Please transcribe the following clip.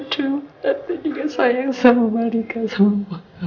tante juga sayang sama mereka sama mu